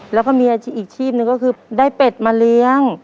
แล้วก็มีอาชีพอีกชีพนึงก็คือได้เป็ดมาเลี้ยง